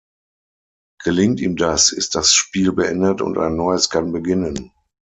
Gelingt ihm das, ist das Spiel beendet und ein neues kann beginnen.